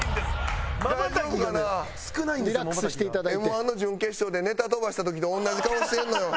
Ｍ−１の準決勝でネタ飛ばした時と同じ顔してるのよ。